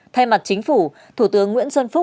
thay mặt chính phủ thủ tướng nguyễn xuân phúc